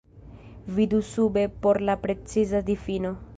Vidu sube por la preciza difino.